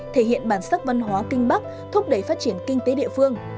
thể hiện bản sắc văn hóa kinh bắc thúc đẩy phát triển kinh tế địa phương